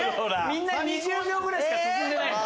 ２０秒ぐらいしか進んでない。